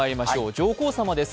上皇さまです。